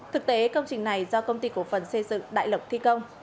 thực tế công trình này do công ty cổ phần xây dựng đại lộc thi công